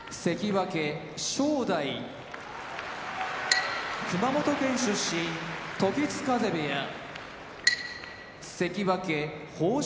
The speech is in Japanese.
関脇・正代熊本県出身時津風部屋関脇豊昇